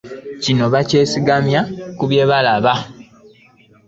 Kino baakyesigamya ku bye baalaba